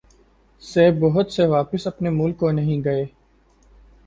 سے بہت سے واپس اپنے ملک کو نہیں گئے۔